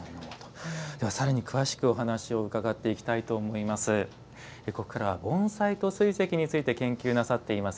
さらに詳しくお話を伺っていこうと思います。